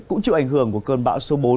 cũng chịu ảnh hưởng của cơn bão số bốn